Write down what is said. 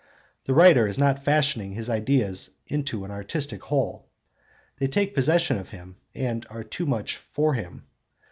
The writer is not fashioning his ideas into an artistic whole; they take possession of him and are too much for him.